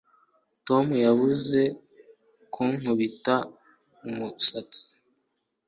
Tom yabuze kunkubita umusatsi